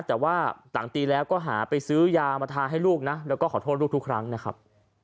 แต่ว่าต่างตีแล้วก็หาไปซื้อยามาทาให้ลูกนะแล้วก็ขอโทษลูกทุกครั้งนะครับ